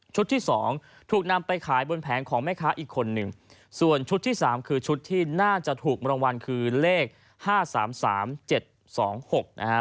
ที่สองถูกนำไปขายบนแผงของแม่ค้าอีกคนหนึ่งส่วนชุดที่สามคือชุดที่น่าจะถูกรางวัลคือเลขห้าสามสามเจ็ดสองหกนะฮะ